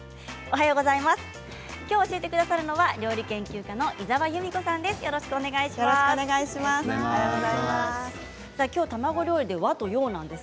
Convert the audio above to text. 教えてくださるのは料理研究家の井澤由美子さんです。